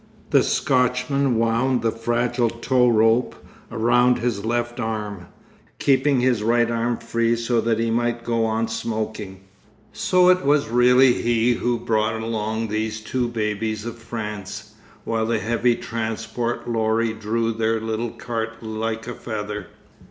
The Scotchman wound the fragile tow rope round his left arm, keeping his right arm free so that he might go on smoking. So it was really he who brought along these two babies of France, while the heavy transport lorry drew their little cart like a feather.